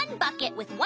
うわ。